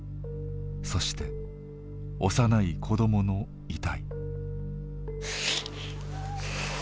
そして幼い子どもの遺体。